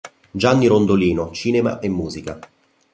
Gianni Rondolino, "Cinema e musica.